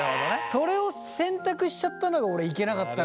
それを選択しちゃったのが俺いけなかったのかなって思った。